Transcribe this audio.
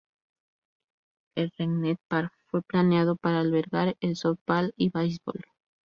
El Regent's Park fue planeado para albergar el softball y baseball.